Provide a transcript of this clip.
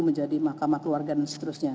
menjadi mahkamah keluarga dan seterusnya